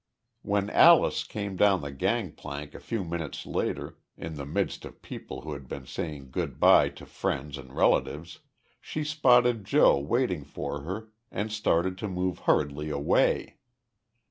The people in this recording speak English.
When Alyce came down the gangplank a few minutes later, in the midst of people who had been saying good by to friends and relatives, she spotted Joe waiting for her, and started to move hurriedly away.